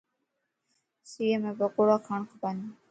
سيءَ مَ پڪوڙا کاڻ کپن